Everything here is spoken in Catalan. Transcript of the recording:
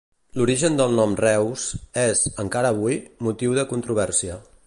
L’origen del nom Reuss és, encara avui, motiu de controvèrsia.